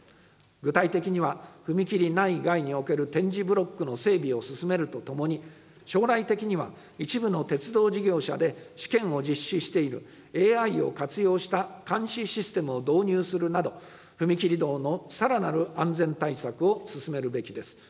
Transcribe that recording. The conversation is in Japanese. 具体的には、踏切内外における点字ブロックの整備を進めるとともに、将来的には一部の鉄道事業者で試験を実施しているＡＩを活用した監視システムを導入するなど、踏切道のさらなる安全対策を進めるべきです。